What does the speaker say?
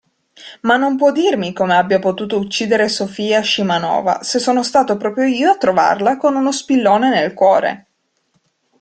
Ma non può dirmi come abbia potuto uccidere Sofia Scimanova, se sono stato proprio io a trovarla con uno spillone nel cuore!